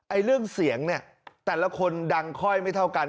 เรื่องเสียงเนี่ยแต่ละคนดังค่อยไม่เท่ากัน